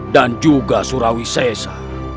dan juga surawi sesa